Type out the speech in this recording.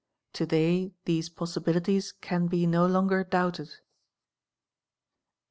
To day these possibilities can be no longer doubted.